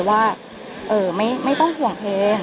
ว่าไม่ต้องห่วงเพลง